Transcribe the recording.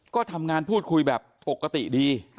ก็ทำงานพูดคุยแบบปกติดี